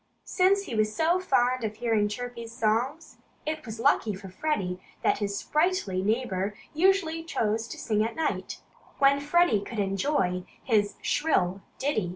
Since he was so fond of hearing Chirpy's songs, it was lucky for Freddie that his sprightly neighbor usually chose to sing at night, when Freddie could better enjoy his shrill ditty.